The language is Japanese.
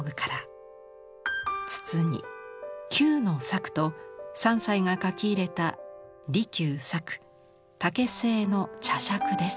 筒に「休ノ作」と三斎が書き入れた利休作竹製の茶杓です。